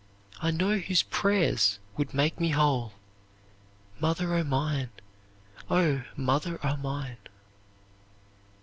I know whose prayer's would make me whole! Mother o' mine, O mother o' mine!'"